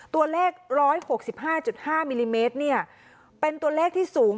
ตัวเลข๑๖๕๕มิลลิเมตรเป็นตัวเลขที่สูง